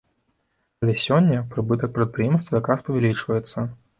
Але сёння, прыбытак прадпрыемства якраз павялічваецца.